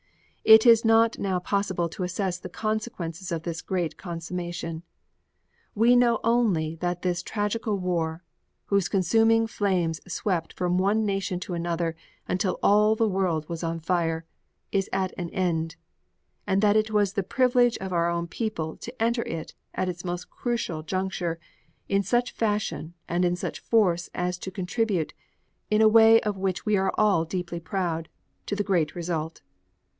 It is not now possible to assess the consequences of this great consummation. We know only that this tragical war, whose consuming flames swept from one nation to another until all the world was on fire, is at an end and that it was the privilege of our own people to enter it at its most critical juncture in such fashion and in such force as to contribute, in a way of which we are all deeply proud, to the great result.